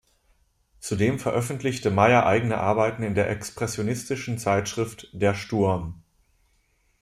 Zudem veröffentlichte Meyer eigene Arbeiten in der expressionistischen Zeitschrift "Der Sturm".